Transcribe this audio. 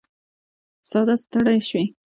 ساه ستړې شوې